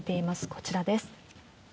こちらです。